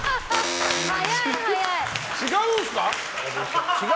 違うんですか？